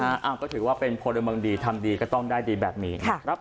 อ้างก็ถือว่าเป็นผลบังดีทำดีก็ต้องได้ดีแบบนี้